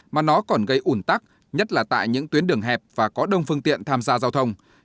mà nó còn gây ủn tắc nhất là tại những tuyến đường hẹp và có đông phương tiện tham gia giao thông